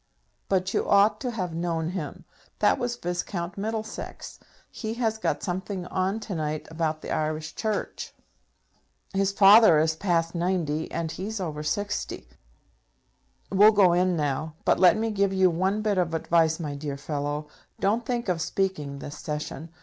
"But you ought to have known him. That was Viscount Middlesex; he has got something on to night about the Irish Church. His father is past ninety, and he's over sixty. We'll go in now; but let me give you one bit of advice, my dear fellow don't think of speaking this session.